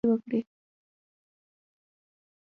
زده کوونکي دې د سامانیانو د حکومت په راپرزېدو خبرې وکړي.